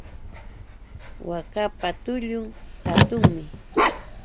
Waakapa tullun hatunmi.